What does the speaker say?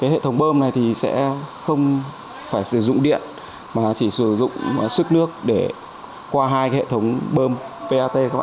hệ thống bơm này sẽ không phải sử dụng điện mà chỉ sử dụng sức nước để qua hai hệ thống bơm pat